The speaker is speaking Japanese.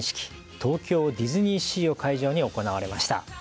東京ディズニーシーを会場に行われました。